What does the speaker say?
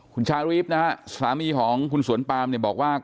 คุณชาวรีฟนะครับสามีของคุณสวนปามบอกว่า